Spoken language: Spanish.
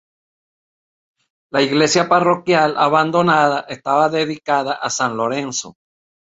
La iglesia parroquial, abandonada, estaba dedicada a San Lorenzo.